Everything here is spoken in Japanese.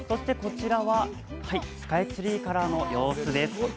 こちらはスカイツリーからの様子です。